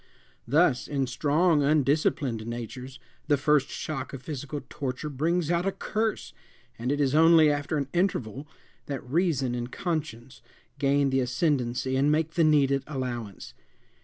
Thus, in strong, undisciplined natures, the first shock of physical torture brings out a curse, and it is only after an interval that reason and conscience gain the ascendency and make the needed allowance.